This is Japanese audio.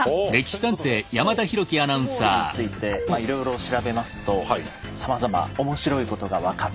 ということでかき氷についていろいろ調べますとさまざま面白いことが分かってきました。